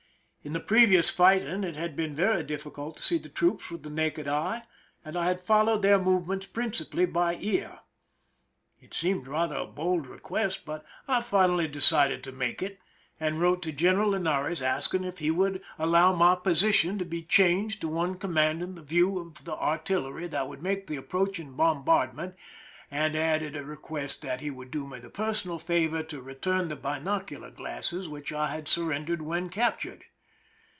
In the previous fighting it had been very difficult to see the troops with the naked eye, and I had followed their movements principally by ear. It seemed rather a bold request, but I finally 287 THE SINKING OF THE "MERRIMAC" decided to make it, and wrote to General Linares asking if he would allow my position to be changed to one commanding the view of the artillery that would make the approaching bombardment, and added a request that he would do me the personal favor to return the binocular glasses which I had surrendered when captured.